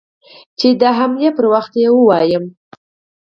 چې د حملې پر وخت يې ووايم.